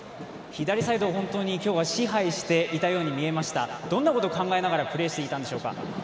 左サイドを支配していたように見えました、どんなことを考えながらプレーしていたんでしょうか？